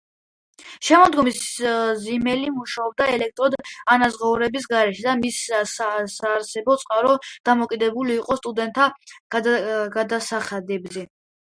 შემდგომში ზიმელი მუშაობდა ლექტორად ანაზღაურების გარეშე და მისი საარსებო წყარო დამოკიდებული იყო სტუდენტთა გადასახადებზე.